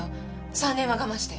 ３年は我慢して。